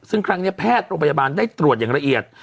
ซึ่งครั้งนี้แพทย์โรงพยาบาลได้ตรวจอย่างละเอียด